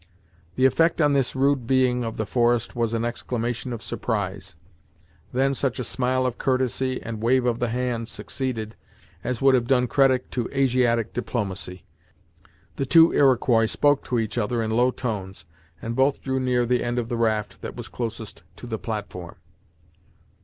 The effect on this rude being of the forest was an exclamation of surprise; then such a smile of courtesy, and wave of the hand, succeeded, as would have done credit to Asiatic diplomacy. The two Iroquois spoke to each other in low tones, and both drew near the end of the raft that was closest to the platform.